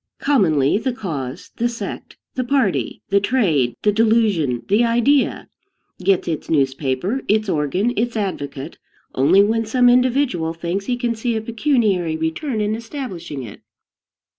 Commonly, the cause, the sect, the party, the trade, the delusion, the idea, gets its newspaper, its organ, its advocate, only when some individual thinks he can see a pecuniary return in establishing it.